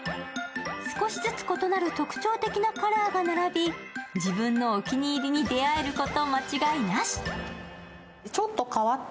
少しずつ異なる特徴的なカラーが並び、自分のお気に入りに出会えること間違いなし。